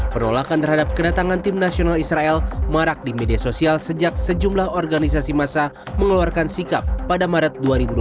penolakan terhadap kedatangan tim nasional israel marak di media sosial sejak sejumlah organisasi masa mengeluarkan sikap pada maret dua ribu dua puluh